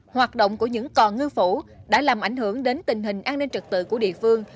hoạt động của những cò ngư phủ đã làm ảnh hưởng đến tình hình an ninh trật tự của địa phương